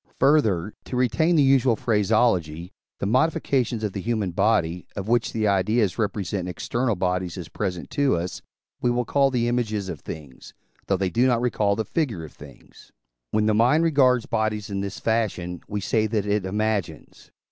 Further, to retain the usual phraseology, the modifications of the human body, of which the ideas represent external bodies as present to us, we will call the images of things, though they do not recall the figure of things. When the mind regards bodies in this fashion, we say that it imagines.